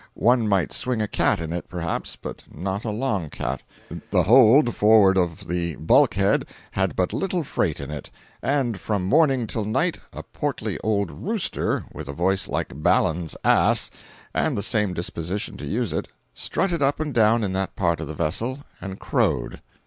One might swing a cat in it, perhaps, but not a long cat. The hold forward of the bulkhead had but little freight in it, and from morning till night a portly old rooster, with a voice like Baalam's ass, and the same disposition to use it, strutted up and down in that part of the vessel and crowed.